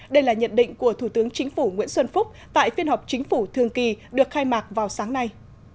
đây là nhận định của thủ tướng chính phủ nguyễn xuân phúc tại phiên họp chính phủ thường kỳ được khai mạc vào sáng nay